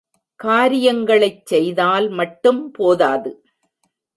காரியங்களைச் செய்தால் மட்டும் போதாது.